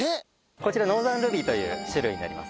こちらノーザンルビーという種類になりますね。